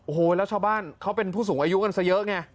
โอ้โหแล้วชาวบ้านเขาเป็นผู้สูงอายุกันซะเยอะไง